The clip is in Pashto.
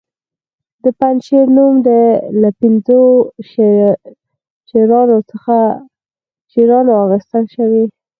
د پنجشیر نوم له پنځو شیرانو اخیستل شوی